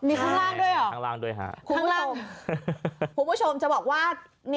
ทางล่างด้วยหรอคุณผู้ชมคุณผู้ชมจะบอกว่า